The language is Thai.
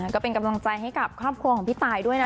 ก็เป็นกำลังใจให้กับครอบครัวของพี่ตายด้วยนะ